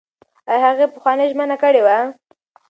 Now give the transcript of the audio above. ایا هغې پخوانۍ ژمنه کړې وه؟